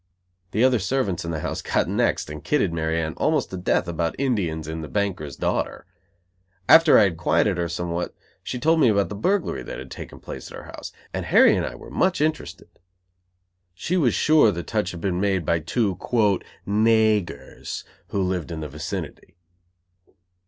The other servants in the house got next and kidded Mary Anne almost to death about Indians and The Banker's Daughter. After I had quieted her somewhat she told me about the burglary that had taken place at her house, and Harry and I were much interested. She was sure the touch had been made by two "naygers" who lived in the vicinity.